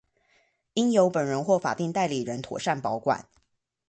應由本人或法定代理人妥善保管